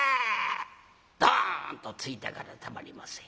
ドンとついたからたまりません。